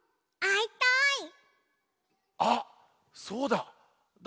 あっそうだ！